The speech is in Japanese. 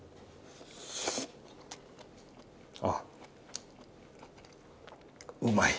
あっうまい。